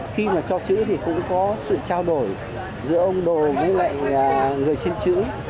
khi mà cho chữ thì cũng có sự trao đổi giữa ông đồ với lại người xin chữ